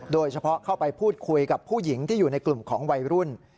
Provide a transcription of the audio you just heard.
โดยเฉพาะเข้าไปพูดคุยกับผู้หญิงที่อยู่ในกลุ่มของวัยรุ่น